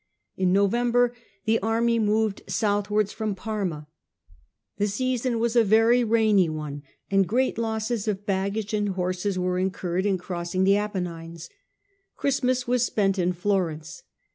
In November the army moved southwards from Parma. The season was a very rainy one, and great losses of baggage and horses were incurred in crossing the Apennines. ' Christmas was spent in Florence.